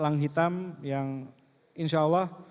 lang hitam yang insya allah